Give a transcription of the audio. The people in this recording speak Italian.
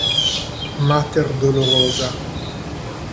Mater dolorosa